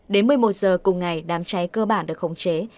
đến một mươi một giờ cùng ngày đám cháy cơ bản được khống chế